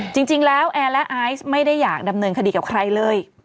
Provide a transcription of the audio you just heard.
จริงแล้วแอร์และไอซ์ไม่ได้อยากดำเนินคดีกับใครเลย